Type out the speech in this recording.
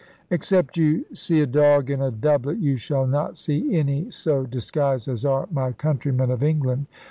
Except you see a dog in a doublet you shall not see any so disguised as are my countrymen of England.